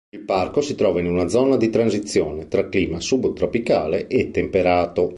Il parco si trova in una zona di transizione tra clima subtropicale e temperato.